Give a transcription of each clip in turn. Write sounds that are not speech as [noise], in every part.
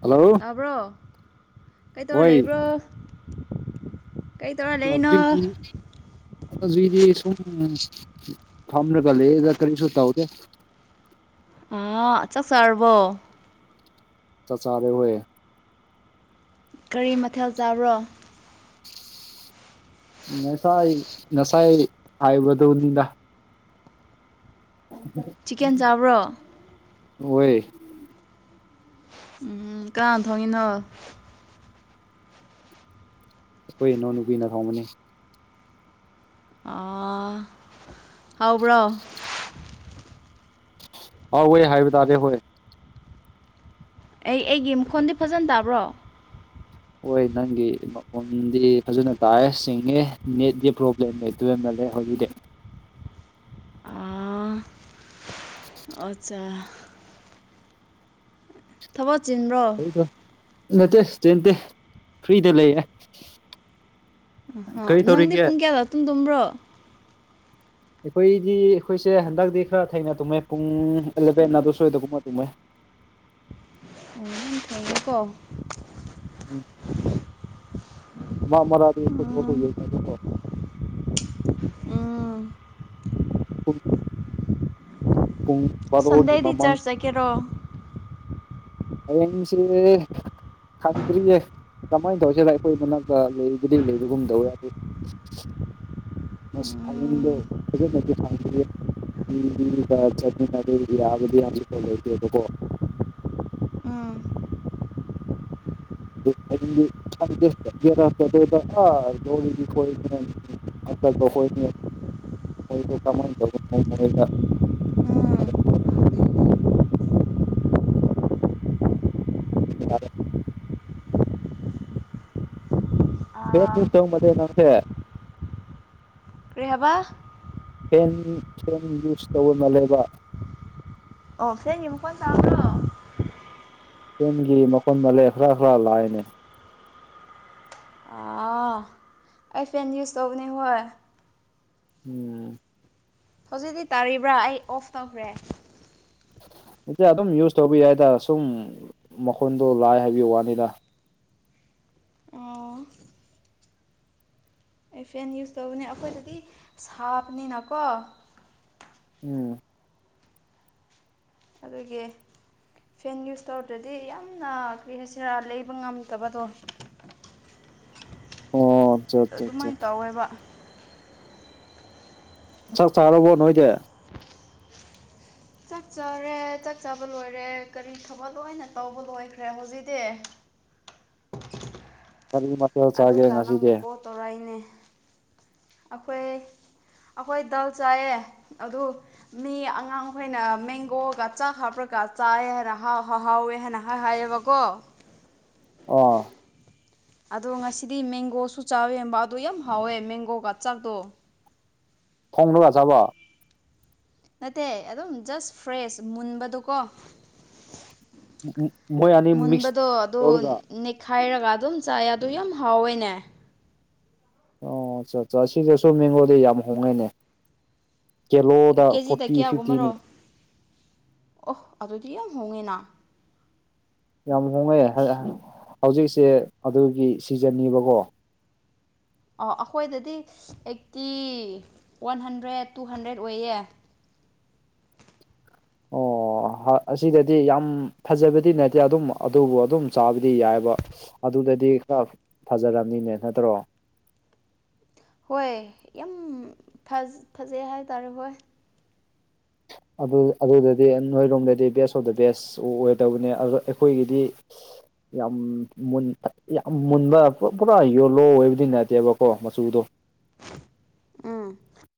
hello ꯐꯕ꯭ꯔꯣ ꯀꯩꯇꯧꯔ ꯍꯣꯏ ꯂꯩꯕ꯭ꯔꯣ ꯀꯩ ꯇꯧꯔ ꯂꯩꯅꯣ [unintelligible] ꯍꯧꯖꯤꯛꯗꯤ ꯑꯁꯨꯝ ꯐꯝꯔꯒ ꯂꯩꯌꯦꯗ ꯀꯔꯤꯁꯨ ꯇꯧꯗꯦ ꯑꯥ ꯆꯥꯛ ꯆꯥꯔꯕꯣ ꯆꯥ ꯆꯥꯥꯔꯦ [unintelligible] ꯀꯔꯤ ꯃꯊꯦꯜ ꯆꯥꯕ꯭ꯔꯣ ꯉꯁꯥꯏ ꯉꯁꯥꯏ ꯍꯥꯏꯕꯗꯨꯅꯤꯗ ꯆꯤꯛꯀꯦꯟ [unintelligible] ꯆꯥꯕ꯭ꯔꯣ ꯑꯣꯏꯋꯦ ꯎꯝ ꯀꯥꯅꯥꯟꯅ ꯊꯣꯡꯉꯤꯅꯣ ꯑꯈꯣꯏ ꯏꯅꯥꯎꯅꯨꯄꯤꯅ ꯊꯣꯡꯕꯅꯤ [unintelligible] ꯍꯥꯎꯕ꯭ꯔꯣ ꯍꯥꯎꯋꯦ ꯍꯥꯏꯕ ꯇꯥꯔꯦ ꯍꯣꯏ ꯑꯩ ꯑꯩꯒꯤ ꯃꯈꯣꯟꯗꯤ ꯐꯖꯟꯅ ꯇꯥꯕ꯭ꯔꯣ ꯍꯣꯏ ꯅꯪꯒꯤ ꯃꯈꯣꯜꯗꯤ ꯐꯖꯅ ꯇꯥꯏꯑꯦ ꯁꯤꯡꯉꯦ ꯅꯦꯠꯗꯤ ꯄ꯭ꯔꯣꯕ꯭ꯂꯦꯝ ꯂꯩ [unintelligible] ꯍꯣꯂꯤꯗꯦ ꯑꯥ ꯑꯠꯆꯥ ꯊꯕꯛ ꯆꯤꯟꯕ꯭ꯔꯣ ꯀꯔꯤꯗ ꯅꯠꯇꯦ ꯆꯦꯟꯇꯦ ꯐ꯭ꯔꯤꯗ ꯂꯩꯌꯦ ꯑ ꯀꯔꯤ ꯅꯪꯗꯤ ꯇꯧꯔꯤꯒꯦ ꯄꯨꯡ ꯀꯌꯥꯗꯣ ꯑꯥꯇꯨꯝ ꯇꯨꯝꯕ꯭ꯔꯣ ꯑꯩꯈꯣꯏꯗꯤ ꯑꯩꯈꯣꯏꯁꯦ ꯍꯟꯗꯛꯇꯤ ꯈꯔ ꯊꯦꯡꯅ ꯇꯨꯝꯃꯦ ꯄꯨꯡ ꯑꯦꯂꯕꯦꯟ ꯑꯗꯨ ꯁꯣꯏꯗꯒꯨꯝꯕ ꯇꯨꯝꯃꯦ ꯉꯥꯏꯌꯣꯀꯣ ꯎꯝ ꯃꯥ ꯃꯔꯥꯗꯤ ꯑꯈꯣꯏ ꯄꯣꯠ ꯇꯣ ꯎꯝ ꯌꯦꯡꯉꯤꯉꯩꯗꯀꯣ ꯎꯝ [unintelligible] ꯄꯨꯡ ꯕꯥꯔꯣꯒꯤ ꯁꯟꯗꯦꯗꯤ ꯃꯃꯥꯡ ꯆꯔ꯭ꯁ ꯆꯠꯀꯦꯔꯣ ꯍꯌꯦꯡꯁꯤ ꯈꯪꯗ꯭ꯔꯤꯌꯦ ꯀꯃꯥꯏꯅ ꯇꯧꯁꯤꯔ ꯑꯩꯈꯣꯏ ꯃꯅꯥꯛꯇ ꯂꯩꯕꯨꯗꯤ ꯂꯩꯕꯒꯨꯝ ꯗꯧꯋꯦ ꯑꯗꯨ ꯑꯁ ꯎꯝ ꯐꯖꯅꯗꯤ ꯆꯠꯃꯤꯟꯕ ꯌꯥꯕꯗꯤ ꯍꯧꯖꯤꯀꯥꯟ ꯂꯩꯇꯦꯕꯥꯀꯣ ꯎꯝ [unintelligible] ꯃꯣꯏꯗꯣ ꯀꯃꯥꯏꯟ ꯇꯧꯕꯥ ꯎꯝ [unintelligible] ꯑꯥ [unintelligible] ꯅꯪꯁꯦ ꯀꯔꯤ ꯍꯥꯏꯕ ꯐꯦꯟ ꯐꯦꯟ ꯌꯨꯁ ꯇꯧꯕ ꯃꯥꯜꯂꯦꯕ ꯑꯣ ꯐꯦꯟꯒꯤ ꯃꯈꯣꯟ ꯇꯥꯕ꯭ꯔꯣ ꯐꯦꯟꯒꯤ ꯃꯈꯣꯟ ꯃꯂꯦ ꯈꯔ ꯈꯔ ꯂꯥꯛꯑꯦꯅꯦ ꯑꯥ ꯑꯩ ꯐꯦꯟ ꯌꯨꯁ ꯇꯧꯕꯅꯦ ꯍꯣꯏ ꯎꯝ ꯍꯧꯖꯤꯛꯇꯤ ꯇꯥꯔꯤꯕ꯭ꯔꯥ ꯑꯩ ꯑꯣꯐ ꯇꯧꯈ꯭ꯔꯦ ꯑꯗꯨꯝ ꯌꯨꯁ ꯇꯧꯕꯤ ꯌꯥꯏꯗ ꯁꯨꯝ ꯃꯈꯣꯟꯗꯣ ꯂꯥꯛꯑꯦ ꯍꯥꯏꯕꯩ ꯋꯥꯅꯤꯗ ꯑꯣ ꯑꯩ ꯐꯦꯟ ꯌꯨꯁ ꯇꯧꯕꯅꯦ ꯑꯩꯈꯣꯏꯗꯗꯤ ꯁꯥꯕꯅꯤꯅꯀꯣ ꯎꯝ ꯑꯗꯨꯒꯤ ꯐꯦꯟ ꯌꯨꯁ ꯇꯧꯔꯗꯗꯤ ꯌꯥꯝꯅ ꯀꯔꯤ ꯍꯥꯏꯁꯤꯔꯥ ꯂꯩꯕ ꯉꯝꯗꯕꯗꯣ ꯑꯣ ꯑꯠꯆꯥ ꯑꯠꯆꯥ ꯑꯠꯆꯥ ꯑꯗꯨꯃꯥꯏꯅ ꯇꯧꯋꯦꯕ ꯆꯥꯛ ꯆꯥꯔꯕꯣ ꯅꯣꯏꯗꯤ ꯆꯥꯛ ꯆꯥꯔꯦ ꯆꯥꯛ ꯆꯥꯕ ꯂꯣꯏꯔꯦ ꯀꯔꯤ ꯊꯕꯛ ꯂꯣꯏꯅ ꯇꯧꯕ ꯂꯣꯏꯈ꯭ꯔꯦ ꯍꯧꯖꯤꯛꯇꯤ ꯀꯔꯤ ꯃꯊꯦꯜ ꯆꯥꯒꯦ ꯉꯁꯤꯗꯤ ꯇꯣꯔꯥꯏꯅꯦ ꯑꯩꯈꯣꯏ ꯑꯩꯈꯣꯏ ꯗꯥꯜ ꯆꯥꯏꯌꯦ ꯑꯗꯨ ꯃꯤ ꯑꯉꯥꯡ ꯃꯈꯩꯅ ꯃꯦꯡꯒꯣꯒ ꯆꯥꯛ ꯍꯥꯞꯔꯒ ꯆꯥꯏꯌꯦ ꯍꯥꯏꯅ ꯍꯥꯎ ꯍꯍꯥꯎꯋꯦ ꯍꯥꯏꯅ ꯍꯥꯏꯌꯦꯕꯀꯣ ꯑꯣ ꯑꯗꯣ ꯉꯁꯤꯗꯤ ꯃꯦꯡꯒꯣꯁꯨ ꯆꯥꯋꯦꯕ ꯑꯗꯣ ꯌꯥꯝ ꯍꯥꯎꯋꯦ ꯃꯦꯡꯒꯣꯒ ꯆꯥꯛꯇꯣ [unintelligible] ꯅꯠꯇꯦ ꯑꯗꯨꯝ ꯖꯁ ꯐ꯭ꯔꯦꯁ ꯃꯨꯟꯕꯗꯨꯀꯣ ꯃꯣꯏ ꯑꯅꯤ ꯃꯤꯛꯁ ꯃꯨꯟꯕꯗꯨ ꯑꯗꯨ ꯇꯧꯔꯒ ꯅꯤꯛ ꯈꯥꯏꯔꯒ ꯑꯗꯨꯝ ꯆꯥꯏ ꯑꯗꯨ ꯌꯥꯝ ꯍꯥꯎꯋꯤꯅꯦ ꯑꯣ ꯑꯆꯥ ꯑꯠꯆꯥ ꯑꯁꯤꯗꯁꯨ ꯃꯦꯡꯒꯣꯗꯤ ꯌꯥꯝ ꯍꯣꯡꯉꯦꯅꯦ ꯀꯦꯂꯣꯗ ꯀꯦꯖꯤꯗ ꯐꯣꯔꯇꯤ ꯐꯤꯐꯇꯤꯅꯤ ꯑꯣꯍ ꯑꯗꯨꯗꯤ ꯌꯥꯝ ꯍꯣꯡꯉꯦꯅ ꯌꯥꯝ ꯍꯣꯡꯉꯦ ꯍꯧꯖꯤꯛꯁꯦ ꯑꯗꯨꯒꯤ ꯁꯤꯖꯟꯅꯦꯕꯀꯣ ꯑꯣ ꯑꯈꯣꯏꯗꯗꯤ ꯑꯩꯠꯇꯤ ꯋꯥꯟ ꯍꯟꯗ꯭ꯔꯦꯠ ꯇꯨ ꯍꯟꯗ꯭ꯔꯦꯠ ꯑꯣꯏꯌꯦ ꯑꯣ ꯑꯁꯤꯗꯗꯤ ꯌꯥꯝ ꯐꯖꯕꯗꯤ ꯅꯠꯇꯦ ꯑꯗꯨꯝ ꯑꯗꯨꯕꯨ ꯑꯗꯨꯝ ꯆꯥꯕꯗꯤ ꯌꯥꯏꯕ ꯑꯗꯨꯗꯗꯤ ꯈꯔ ꯐꯖꯔꯅꯤꯅꯦ ꯅꯠꯇ꯭ꯔꯣ ꯍꯣꯏ ꯌꯥꯝ ꯐꯥꯐꯖꯩ ꯍꯥꯏꯇꯥꯔꯦ ꯍꯣꯏ ꯑꯗꯨ ꯑꯗꯨꯗꯗꯤ ꯅꯣꯏꯔꯣꯝꯗꯗꯤ ꯕꯦꯁ ꯑꯣꯐ ꯗ ꯕꯦꯁ ꯑꯣꯏꯗꯕꯅꯦ ꯑ ꯑꯈꯣꯏꯒꯤꯗꯤ ꯌꯥꯝ ꯃꯨꯟ ꯌꯥꯝ ꯃꯨꯟꯕ ꯄꯨꯔꯥ ꯌꯣꯂꯣ ꯑꯣꯏꯕꯗꯤ ꯅꯠꯇꯦꯕꯀꯣ ꯃꯆꯨꯗꯣ ꯎꯝ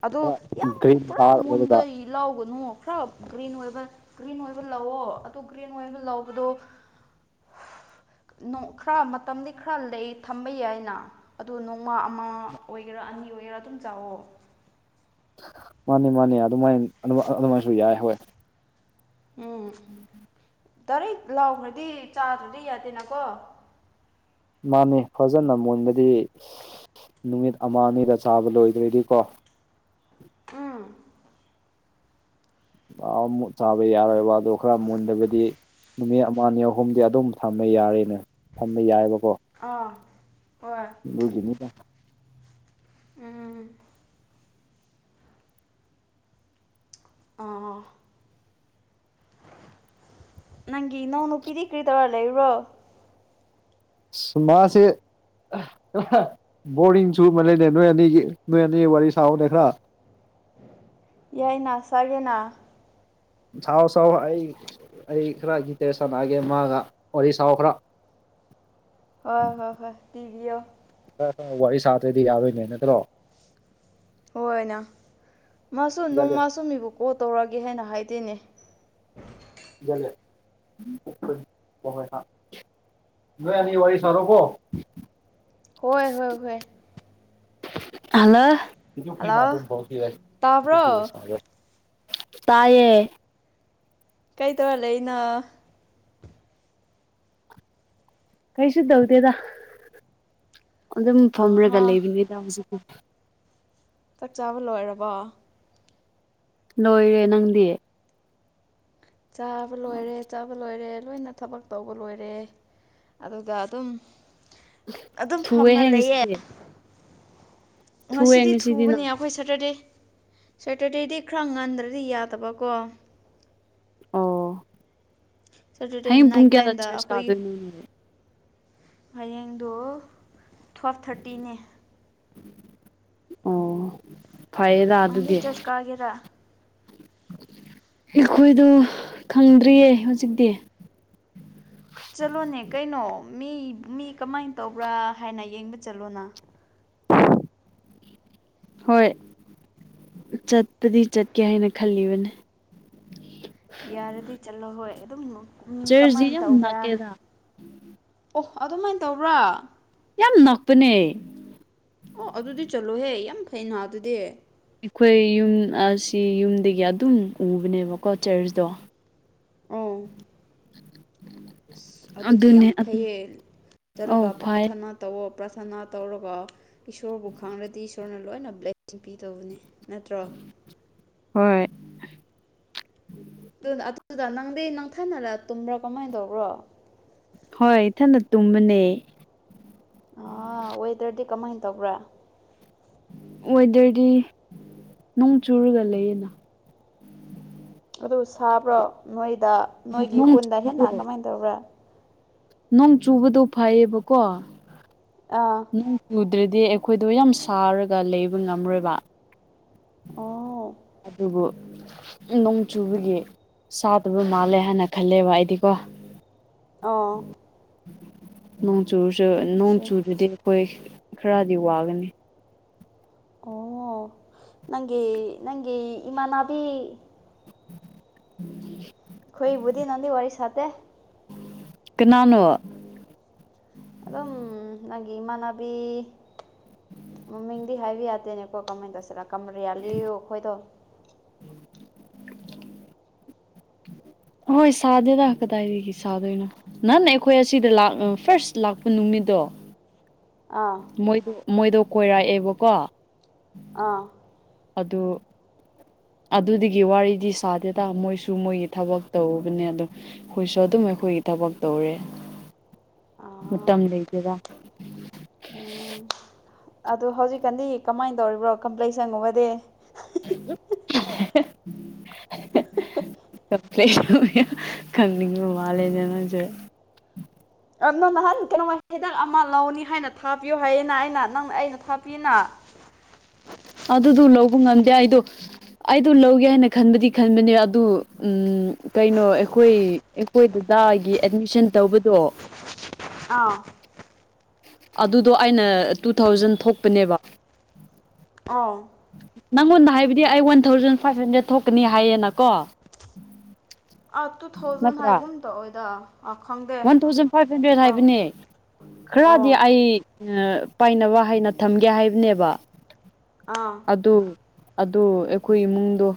ꯑꯗꯣ ꯈꯔ ꯌꯥꯝ ꯒ꯭ꯔꯤꯟ ꯄꯨꯔꯥ ꯗꯥꯔꯛ ꯑꯣꯏꯔꯒ ꯃꯨꯟꯕꯩ ꯂꯧꯒꯅꯨ ꯈꯔ ꯒ꯭ꯔꯤꯟ ꯑꯣꯏꯕ ꯒ꯭ꯔꯤꯟ ꯑꯣꯏꯕ ꯂꯧꯑꯣ ꯑꯗꯨ ꯒ꯭ꯔꯤꯟ ꯑꯣꯏꯕ ꯂꯧꯕꯗꯨ ꯅꯣꯡ ꯈꯔ ꯃꯇꯝꯗꯤ ꯈꯔ ꯂꯩ ꯊꯝꯕ ꯌꯥꯏꯅ ꯑꯗꯣ ꯅꯣꯡꯃ ꯑꯃ ꯑꯣꯏꯒꯦꯔꯥ ꯑꯅꯤ ꯑꯣꯏꯒꯦꯔꯥ ꯑꯗꯨꯝ ꯆꯥꯑꯣ ꯃꯥꯅꯤ ꯃꯥꯅꯤ ꯑꯗꯨꯃꯥꯏ ꯑꯗꯨꯃꯥꯏꯁꯨ ꯌꯥꯏ ꯍꯣꯏ ꯎꯝ ꯇꯔꯤꯛ ꯂꯥꯎꯈ꯭ꯔꯗꯤ ꯆꯥꯗ꯭ꯔꯗꯤ ꯌꯥꯗꯦꯅꯀꯣ ꯃꯥꯅꯦ ꯐꯖꯅ ꯃꯨꯟꯕꯗꯤ ꯅꯨꯃꯤꯠ ꯑꯃ ꯑꯅꯤꯗ ꯆꯥꯕ ꯂꯣꯏꯗ꯭ꯔꯗꯤꯀꯣ ꯎꯝ [unintelligible] ꯆꯥꯕ ꯌꯥꯔꯣꯏꯕ ꯑꯗꯨ ꯈꯔ ꯃꯨꯟꯗꯕꯗꯤ ꯅꯨꯃꯤꯠ ꯑꯃ ꯑꯅꯤ ꯑꯍꯨꯝꯗꯤ ꯑꯗꯨꯝ ꯊꯝꯕ ꯌꯥꯔꯦꯅꯦ ꯊꯝꯕ ꯌꯥꯏꯕꯀꯣ ꯑꯥ ꯍꯣꯢ ꯑꯗꯨꯒꯤꯅꯤꯗ ꯎꯝ ꯑꯥ ꯅꯪꯒꯤ ꯏꯅꯥꯎꯅꯨꯄꯤꯗꯤ ꯀꯔꯤ ꯇꯧꯔ ꯂꯩꯕ꯭ꯔꯣ [unintelligible] [unintelligible] ꯕꯣꯔꯤꯡ ꯆꯨꯃꯥꯟꯂꯦ ꯅꯣꯏ ꯑꯅꯤꯒꯤ ꯅꯣꯏ ꯑꯅꯤ ꯋꯥꯔꯤ ꯁꯥꯎꯅꯦ ꯈꯔ ꯌꯥꯏꯅ ꯁꯥꯒꯦꯅꯥ ꯁꯥꯎ ꯁꯥꯎ ꯑꯩ ꯑꯩ ꯈꯔ ꯒꯤꯇꯦ ꯁꯥꯟꯅꯒꯦ ꯃꯥꯒ ꯋꯥꯔꯤ ꯁꯥꯎ ꯈꯔ ꯍꯣꯏ ꯍꯣꯏ ꯍꯣꯏ ꯄꯤꯕꯤꯑꯣ ꯑꯥ ꯅꯪ ꯋꯥꯔꯤ ꯁꯥꯗ꯭ꯔꯗꯤ ꯌꯥꯔꯣꯏꯅꯦ ꯅꯠꯇ꯭ꯔꯣ ꯍꯣꯏ ꯅꯥ ꯃꯥꯁꯨ ꯍꯣꯏ ꯅꯣꯡ ꯃꯥꯁꯨ ꯃꯤꯕꯨ ꯀꯣꯜ ꯇꯧꯔꯛꯒꯦ ꯍꯥꯏꯅ ꯍꯥꯏꯗꯦꯅꯦ [unintelligible] ꯅꯣꯢ ꯑꯅꯤ ꯋꯥꯔꯤ ꯁꯥꯔꯣ ꯀꯣ ꯍꯣꯏ ꯍꯣꯏ ꯍꯣꯏ ꯍꯜꯂꯣ ꯍꯜꯂꯣ ꯇꯥꯕ꯭ꯔꯣ [unintelligible] ꯇꯥꯌꯦ ꯀꯩ ꯇꯧꯔ ꯂꯩꯅꯣ ꯀꯩꯁꯨ ꯇꯧꯗꯦꯗ ꯑꯗꯨꯝ ꯑꯍꯥ ꯐꯝꯔꯒ ꯂꯩꯕꯅꯦꯗ ꯍꯧꯖꯤꯛ ꯆꯥꯛ ꯆꯥꯕ ꯂꯣꯏꯔꯕꯣ ꯂꯣꯏꯔꯦ ꯅꯪꯗꯤ ꯆꯥꯕ ꯂꯣꯏꯔꯦ ꯆꯥꯕ ꯂꯣꯏꯔꯦ ꯂꯣꯏꯅ ꯊꯕꯛ ꯇꯧꯕ ꯂꯣꯏꯔꯦ ꯑꯗꯨꯒ ꯑꯗꯨꯝ ꯑꯗꯨꯝ ꯐꯝꯔ ꯊꯨꯑꯦꯍꯦ ꯂꯩꯌꯦ ꯉꯁꯤꯗꯤ ꯊꯨꯑꯦ ꯉꯁꯤꯗꯤ ꯊꯨꯕꯅꯦ ꯅꯪ ꯑꯩꯈꯣꯏ ꯁꯠꯇꯔꯗꯦ ꯁꯠꯇꯔꯗꯦꯗꯤ ꯈꯔ ꯉꯟꯗ꯭ꯔꯗꯤ ꯌꯥꯗꯕꯀꯣ ꯑꯧ ꯁꯦꯇꯔꯗꯦ ꯍꯌꯦꯡ ꯄꯨꯡ ꯅꯥꯏꯠ ꯀꯌꯥꯗ ꯇꯥꯏꯝꯗ ꯆ꯭ꯔꯁ ꯑꯩꯈꯣꯏ ꯀꯥꯗꯣꯏꯅꯣ ꯍꯌꯦꯡꯗꯣ ꯇꯨꯋꯦꯜꯞ ꯊꯔꯇꯤꯅꯦ ꯑꯣ ꯐꯩꯌꯦꯗ ꯅꯪꯗꯤ ꯑꯗꯨꯗꯤ ꯆꯔꯆ ꯀꯥꯒꯦꯔꯥ ꯑꯩꯈꯣꯏꯗꯣ ꯈꯪꯗ꯭ꯔꯤꯌꯦ ꯍꯧꯖꯤꯛꯇꯤ ꯆꯠꯂꯣꯅꯦ ꯀꯩꯅꯣ ꯃꯤ ꯃꯤ ꯀꯃꯥꯏꯅ ꯇꯧꯕ꯭ꯔ ꯍꯥꯏꯅ ꯌꯦꯡꯕ ꯆꯠꯂꯣꯅ ꯍꯣꯏ ꯆꯠꯄꯗꯤ ꯆꯠꯀꯦ ꯍꯥꯏꯅ ꯈꯜꯂꯤꯕꯅꯤ ꯌꯥꯔꯗꯤ ꯆꯠꯂꯣ ꯍꯣꯏ ꯑꯗꯨꯝ ꯃꯤ ꯆꯔꯆꯗꯤ ꯀꯃꯥꯏꯅ ꯌꯥꯝ ꯇꯧꯕ꯭ꯔꯥ ꯍꯥꯏ ꯅꯛꯑꯦꯗ ꯑꯣ ꯑꯗꯨꯃꯥꯏꯅ ꯇꯧꯕ꯭ꯔ ꯌꯥꯝ ꯅꯛꯄꯅꯦ ꯑꯣ ꯑꯗꯨꯗꯤ ꯆꯠꯂꯣꯍꯦ ꯌꯥꯝ ꯐꯩꯅ ꯑꯗꯨꯗꯤ ꯑꯩꯈꯣꯏ ꯌꯨꯝ ꯑꯁꯤ ꯌꯨꯝꯗꯒꯤ ꯑꯗꯨꯝ ꯎꯕꯅꯦꯕꯀꯣ ꯆ꯭ꯔꯆꯇꯣ ꯑꯪ [inaudible] ꯑꯁ ꯑꯗꯨꯗꯤ ꯑꯗꯨꯅꯦ ꯌꯥꯝ ꯑꯗꯨ ꯐꯩꯌꯦ ꯑꯧ ꯆꯠꯔꯒ ꯐꯥꯏ ꯄ꯭ꯔꯥꯊꯅ ꯇꯧꯋꯣ ꯄ꯭ꯔꯊꯅꯥ ꯇꯧꯔꯒ ꯏꯁꯣꯔꯕꯨ ꯈꯪꯉꯗꯤ ꯏꯁꯣꯔꯅ ꯂꯣꯏꯅ ꯕ꯭ꯂꯦꯁꯤꯡ ꯄꯤꯗꯧꯕꯅꯦ ꯅꯠꯇ꯭ꯔꯣ ꯍꯣꯏ ꯑꯗꯨꯅ ꯑꯗꯨꯗ ꯅꯪꯗꯤ ꯅꯪꯊꯟꯇ ꯇꯨꯝꯕ꯭ꯔꯣ ꯀꯃꯥꯏꯅ ꯇꯧꯕ꯭ꯔꯣ ꯍꯣꯏ ꯏꯊꯟꯇ ꯇꯨꯝꯕꯅꯦ ꯑꯥ ꯋꯦꯗꯔꯗꯤ ꯀꯃꯥꯏꯅ ꯇꯧꯕ꯭ꯔꯥ ꯋꯦꯗꯔꯗꯤ ꯅꯣꯡ ꯆꯨꯔꯒ ꯂꯩꯌꯦꯅ ꯑꯗꯣ ꯁꯥꯕ꯭ꯔꯣ ꯅꯣꯏꯗ ꯅꯣꯏꯒꯤ ꯅꯣꯡ ꯈꯨꯟꯗ ꯍꯦꯟꯅ ꯆꯨꯕꯗꯣ ꯀꯃꯥꯏꯅ ꯇꯧꯕ꯭ꯔ ꯅꯣꯡ ꯆꯨꯕꯗꯨ ꯐꯩꯌꯦꯕꯀꯣ ꯑꯥ ꯅꯣꯡ ꯆꯨꯗ꯭ꯔꯗꯤ ꯑꯩꯈꯣꯏꯗꯣ ꯌꯥꯝ ꯁꯥꯔꯒ ꯂꯩꯕ ꯉꯝꯔꯣꯏꯕ ꯑꯣ ꯑꯗꯨꯕꯨ ꯅꯣꯡ ꯆꯨꯕꯒꯤ ꯁꯥꯗꯕ ꯃꯥꯜꯂꯦ ꯍꯥꯏꯅ ꯈꯜꯂꯦꯕ ꯑꯩꯗꯤꯀꯣ ꯑꯣ ꯅꯣꯡ ꯆꯨꯔꯁꯨ ꯅꯣꯡ ꯑꯠꯆꯥ ꯆꯨꯗ꯭ꯔꯗꯤ ꯑꯩꯈꯣꯏ ꯈꯔꯗꯤ ꯋꯥꯒꯅꯤ ꯑꯣ ꯅꯪꯒꯤ ꯅꯪꯒꯤ ꯏꯃꯥꯟꯅꯕꯤ [inaudible] ꯈꯣꯏꯕꯨꯗꯤ ꯅꯡꯗꯤ ꯋꯥꯔꯤ ꯁꯥꯗꯦ ꯀꯅꯥꯅꯣ ꯑꯗꯨꯝ ꯅꯪꯒꯤ ꯏꯃꯥꯟꯅꯕꯤ ꯃꯃꯤꯡꯗꯤ ꯍꯥꯏꯕ ꯌꯥꯗꯦꯅꯦꯀꯣ ꯀꯃꯥꯏꯅ ꯇꯧꯁꯤꯔꯥ ꯀꯃꯔꯤꯌꯥꯂꯤꯌꯨ ꯈꯣꯏꯗꯣ ꯃꯣꯏ ꯁꯥꯗꯦꯗ ꯀꯗꯥꯏꯗꯒꯤ ꯁꯥꯗꯣꯢꯅꯣ ꯅꯪꯅ ꯑꯈꯣꯏ ꯑꯁꯤꯗ ꯂꯥꯛ ꯐꯥꯔꯁ ꯂꯥꯛꯄ ꯅꯨꯃꯤꯠꯗꯣ ꯑꯥ ꯃꯣꯏꯗꯣ ꯃꯣꯏꯗꯣ ꯀꯣꯏꯔꯛꯑꯦꯕꯀꯣ ꯑꯥ ꯑꯗꯨ ꯑꯗꯨꯗꯨꯒꯤ ꯋꯥꯔꯤꯗꯤ ꯁꯥꯗꯦꯗ ꯃꯣꯏꯁꯨ ꯃꯣꯏꯒꯤ ꯊꯕꯛ ꯇꯧꯕꯅꯦ ꯑꯗꯨꯝ ꯑꯈꯣꯏꯁꯨ ꯑꯗꯨꯝ ꯑꯈꯣꯏꯒꯤ ꯊꯕꯛ ꯇꯧꯔꯦ ꯑꯥ ꯃꯇꯝ ꯂꯩꯇꯦꯗꯥ ꯎꯝ ꯑꯗꯣ ꯍꯧꯖꯤꯛꯀꯥꯟꯗꯤ ꯀꯃꯥꯏꯟ ꯇꯧꯔꯤꯕ꯭ꯔꯣ ꯀꯝꯄ꯭ꯂꯦꯛꯁꯟꯒꯨꯝꯕꯗꯤ [inaudible] [unintelligible] [unintelligible] ꯀꯝꯄ꯭ꯂꯦꯛꯁꯟ ꯌꯥꯝ ꯈꯪꯅꯤꯡꯕ ꯃꯥꯂꯦꯅꯦ ꯅꯪꯁꯨ ꯑ ꯅꯪ ꯅꯍꯥꯟ ꯀꯩꯅꯣ ꯍꯤꯗꯥꯛ ꯑꯃ ꯂꯧꯅꯤ ꯍꯥꯏꯅ ꯊꯥꯕꯤꯌꯨ ꯍꯥꯏꯌꯦꯅ ꯑꯩꯅ ꯅꯪ ꯑꯩꯅ ꯊꯥꯄꯤꯌꯦꯅ ꯑꯗꯨꯗꯨ ꯂꯧꯕ ꯉꯝꯗꯦ ꯑꯩꯗꯣ ꯑꯩꯗꯨ ꯂꯧꯒꯦ ꯍꯥꯏꯅ ꯈꯟꯕꯗꯤ ꯈꯟꯕꯅꯦ ꯑꯗꯨ ꯎꯝ ꯀꯩꯅꯣ ꯑꯈꯣꯏ ꯑꯩꯈꯣꯏ ꯗꯥꯗꯥꯒꯤ ꯑꯦꯠꯃꯤꯁꯟ ꯇꯧꯕꯗꯣ ꯑꯥ ꯑꯗꯨꯗꯣ ꯑꯩꯅ ꯇꯨ ꯊꯥꯎꯖꯟ ꯊꯣꯛꯄꯅꯦꯕ ꯑꯥꯎ ꯅꯪꯉꯣꯟꯗ ꯍꯥꯏꯕꯗꯤ ꯑꯩ ꯋꯥꯟ ꯊꯥꯎꯖꯟ ꯐꯥꯏꯚ ꯍꯟꯗ꯭ꯔꯦꯗ ꯊꯣꯛꯀꯅꯤ ꯍꯥꯏꯌꯦꯅꯀꯣ ꯑ ꯇꯨ ꯊꯥꯎꯖꯟ ꯅꯠꯇ꯭ꯔꯥ ꯍꯥꯏꯒꯨꯝ ꯇꯧꯋꯦꯗ ꯈꯪꯗꯦ ꯋꯥꯟ ꯊꯥꯎꯖꯟ ꯐꯥꯏꯚ ꯍꯟꯗ꯭ꯔꯦꯗ ꯀꯥꯎ ꯍꯥꯏꯕꯅꯦ ꯑꯣ ꯈꯔꯗꯤ ꯑꯩ ꯑꯥ ꯄꯥꯏꯅꯕ ꯍꯥꯏꯅ ꯊꯝꯒꯦ ꯍꯥꯏꯕꯅꯦꯕ ꯑꯥ ꯑꯗꯨ ꯑꯗꯣ ꯑꯩꯈꯣꯏ ꯏꯃꯨꯡꯗꯣ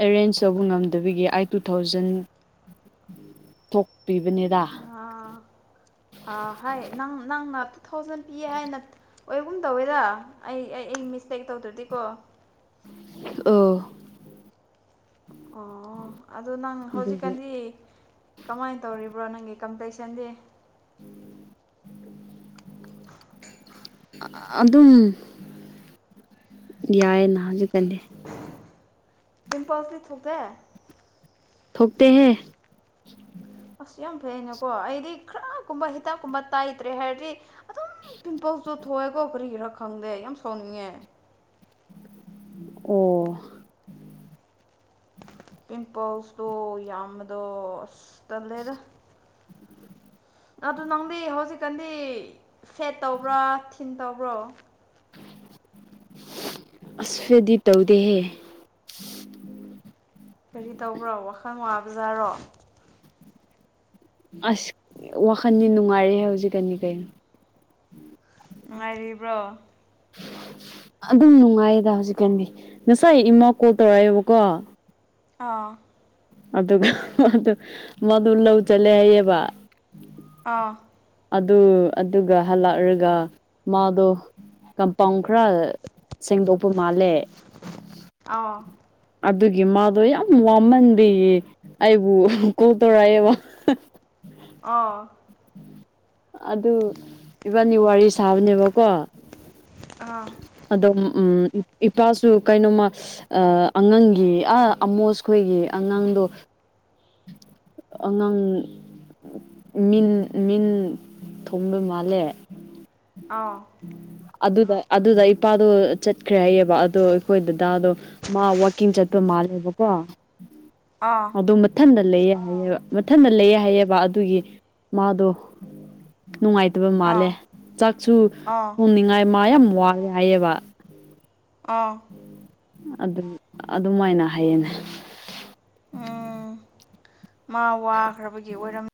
ꯑꯦꯔꯦꯟꯖ ꯇꯧꯕ ꯉꯝꯗꯕꯤꯒꯤ ꯑꯩ ꯇꯨ ꯊꯥꯎꯖꯟ ꯊꯣꯛꯄꯤꯕꯅꯦꯗ ꯑ ꯑ ꯍꯣꯏ ꯅꯪ ꯅꯪꯅ ꯇꯨ ꯊꯥꯎꯖꯟ ꯄꯤꯌꯦ ꯍꯥꯏꯅ ꯑꯣꯏꯒꯨꯝ ꯇꯧꯋꯦꯗ ꯑꯩ ꯑꯩ ꯑꯩ ꯃꯤꯠꯇꯦꯛ ꯇꯧꯗ꯭ꯔꯗꯤꯀꯣ ꯑꯣ ꯑꯣ ꯑꯗꯨ ꯅꯪ ꯑꯗꯨꯒꯤ ꯍꯧꯖꯤꯛꯀꯥꯟꯗꯤ ꯀꯃꯥꯏꯅ ꯇꯧꯔꯤꯕ꯭ꯔꯥ ꯅꯪꯒꯤ ꯀꯝꯄ꯭ꯂꯦꯛꯁꯟꯗꯤ [unintelligible] ꯑ ꯑꯗꯨꯝ ꯌꯥꯏꯌꯦꯅ ꯍꯧꯖꯤꯛꯀꯥꯟꯗꯤ ꯄꯤꯝꯄꯜꯇꯤ ꯊꯣꯛꯇꯦ ꯊꯣꯛꯇꯦ ꯍꯦ ꯑꯁ ꯌꯥꯝ ꯐꯩꯌꯦꯅꯦꯀꯣ ꯑꯩꯗꯤ ꯈꯔꯒꯨꯝꯕ ꯍꯤꯗꯥꯛꯀꯨꯝꯕ ꯇꯩꯏꯇ꯭ꯔꯦ ꯍꯥꯏꯔꯗꯤ ꯑꯗꯨꯝ ꯄꯤꯝꯄꯜꯁꯇꯣ ꯊꯣꯛꯑꯦꯀꯣ ꯀꯔꯤ ꯒꯤꯔꯥ ꯈꯪꯗꯦ ꯌꯥꯝ ꯁꯥꯎꯅꯤꯡꯉꯦ ꯑꯣ ꯄꯤꯝꯄꯜꯁ ꯇꯣ ꯌꯥꯝꯕꯗꯣ ꯑꯁ ꯇꯜꯂꯦꯗ ꯑꯗꯨ ꯅꯪꯗꯤ ꯍꯧꯖꯤꯛꯀꯥꯟꯗꯤ ꯊ꯭ꯔꯦꯠ ꯇꯧꯕ꯭ꯔꯥ ꯊꯤꯟ ꯇꯧꯕ꯭ꯔꯣ ꯑꯁ ꯊ꯭ꯔꯦꯠꯗꯤ ꯇꯧꯗꯦꯍꯦ ꯀꯔꯤ ꯇꯧꯕ꯭ꯔꯣ ꯋꯥꯈꯜ ꯋꯥꯕꯖꯥꯔꯣ ꯑꯁ ꯋꯥꯈꯟꯗꯤ ꯅꯨꯡꯉꯥꯏꯔꯦ ꯍꯧꯖꯤꯛꯀꯥꯟꯗꯤ ꯀꯩꯅꯣ ꯅꯨꯡꯉꯥꯏꯔꯤꯕ꯭ꯔꯣ ꯑꯗꯨꯝ ꯅꯨꯡꯉꯥꯏꯌꯦꯗ ꯍꯧꯖꯤꯛꯀꯥꯟꯗꯤ ꯉꯁꯥꯏ ꯏꯃꯥ ꯀꯣꯜ ꯇꯧꯔꯛꯑꯦꯕꯀꯣ ꯑꯥ ꯑꯗꯨꯒ ꯃꯗꯣ ꯃꯗꯣ ꯂꯧ ꯆꯠꯂꯦ ꯍꯥꯏꯌꯦꯕ ꯑꯥ ꯑꯗꯨ ꯑꯗꯨꯒ ꯍꯜꯂꯛꯔꯒ ꯃꯥꯗꯣ ꯀꯝꯄꯥꯎꯟ ꯈꯔ ꯁꯦꯡꯗꯣꯛꯄ ꯃꯥꯜꯂꯦ ꯑꯧ ꯑꯗꯨꯒꯤ ꯃꯥꯗꯣ ꯌꯥꯝ ꯋꯥꯃꯟꯕꯒꯤ ꯑꯩꯕꯨ ꯀꯣꯜ ꯇꯧꯔꯛꯑꯦꯕ ꯑꯥ ꯑꯗꯨ ꯏꯕꯥꯟꯅꯤ ꯋꯥꯔꯤ ꯁꯥꯕꯅꯦꯕꯀꯣ ꯑꯥ ꯑꯗꯨꯝ ꯎꯝ ꯏꯄꯥꯁꯨ ꯀꯩꯅꯣꯃ ꯑ ꯑꯉꯥꯡꯒꯤ ꯑ ꯑꯃꯣꯁ ꯈꯣꯏꯒꯤ ꯑꯉꯥꯡꯗꯣ ꯑꯉꯥꯡ ꯃꯤꯟ ꯃꯤꯟ ꯊꯣꯡꯕ ꯃꯥꯜꯂꯦ ꯑꯣ ꯑꯗꯨꯗ ꯑꯗꯨꯗ ꯏꯄꯥꯗꯣ ꯆꯠꯈ꯭ꯔꯦ ꯍꯥꯏꯌꯦꯕ ꯑꯗꯣ ꯑꯩꯈꯣꯏ ꯗꯗꯥꯗꯣ ꯃꯥ ꯋꯥꯛꯀꯤꯡ ꯆꯠꯄ ꯃꯥꯜꯂꯦꯕꯀꯣ ꯑꯥ ꯑꯗꯨ ꯃꯊꯟꯗ ꯂꯩꯌꯦ ꯍꯥꯏꯌꯦꯕ ꯃꯊꯟꯗ ꯂꯩꯌꯦ ꯍꯥꯏꯌꯦꯕ ꯑꯗꯨꯒꯤ ꯃꯥꯗꯣ ꯅꯨꯡꯉꯥꯏ ꯇꯕ ꯑꯥ ꯃꯥꯜꯂꯦ ꯆꯥꯛꯁꯨ ꯑꯥ ꯊꯣꯡꯅꯤꯡꯉꯥꯏ ꯃꯥ ꯌꯥꯝ ꯋꯥꯔꯦ ꯍꯥꯏꯌꯦꯕ ꯑꯥ ꯑꯗꯨꯝ ꯑꯗꯨꯃꯥꯏꯅ ꯍꯥꯏꯌꯦꯅꯦ ꯑꯥ ꯃꯥ ꯋꯥꯈ꯭ꯔꯕꯒꯤ ꯑꯣꯏꯔꯝ